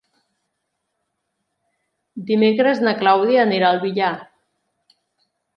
Dimecres na Clàudia anirà al Villar.